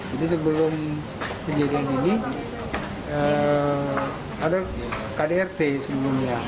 jadi sebelum kejadian ini ada kdrt sebelumnya